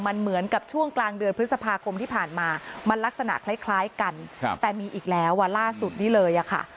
มันเหมือนกับช่วงกลางเดือนพฤษภาคมที่ผ่านมามันลักษณะคล้ายกันแต่มีอีกแล้วอ่ะล่าสุดนี้เลยอะค่ะ